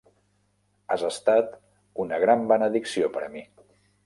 Has estat una gran benedicció per a mi.